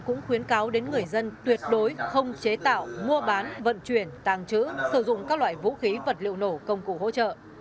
cũng khuyến cáo đến người dân tuyệt đối không chế tạo mua bán vận chuyển tàng trữ sử dụng các loại vũ khí vật liệu nổ công cụ hỗ trợ